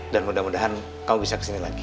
dan mudah mudahan kamu bisa kesini lagi